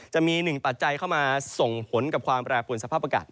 จะมีหนึ่งปัจจัยเข้ามาส่งผลกับความแปรปวนสภาพอากาศ